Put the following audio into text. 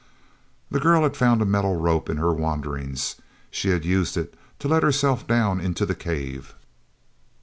The girl had found a metal rope in her wanderings; she had used it to let herself down into the cave.